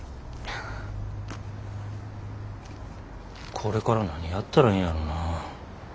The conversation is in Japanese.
これから何やったらええんやろなぁ。